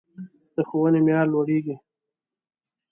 د ښوونې معیار لوړیږي